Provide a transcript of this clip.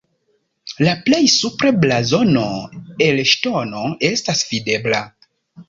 La plej supre blazono el ŝtono estas videbla.